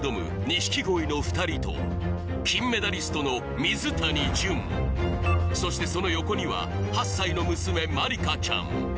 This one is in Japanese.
錦鯉の２人と金メダリストの水谷隼そしてその横には８歳の娘まりかちゃん